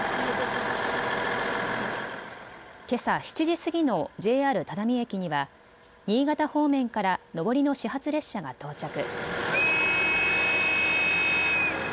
けさ７時過ぎのＪＲ只見駅には新潟方面から上りの始発列車が到着。